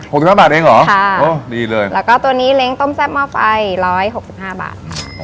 สิบห้าบาทเองเหรอค่ะโอ้ดีเลยแล้วก็ตัวนี้เล้งต้มแซ่บหม้อไฟร้อยหกสิบห้าบาทค่ะ